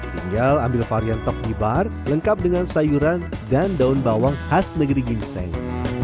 tinggal ambil varian top di bar lengkap dengan sayuran dan daun bawang khas negeri ginseng